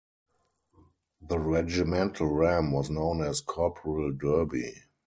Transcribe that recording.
The regimental ram was known as "Corporal Derby".